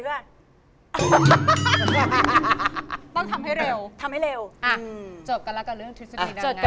ลูกต้องทำไลเชิงช้า